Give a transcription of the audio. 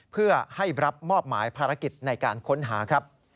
เพื่อให้รับมอบหมายภารกิจในการค้นหาครับ